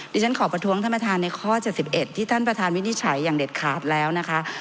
ฉันขอประท้วงท่านประธานในข้อ๗๑ที่ท่านประธานวินิจฉัยอย่างเด็ดขาดแล้วนะคะ